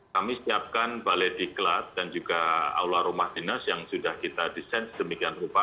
kami siapkan balai diklat dan juga aula rumah dinas yang sudah kita desain sedemikian rupa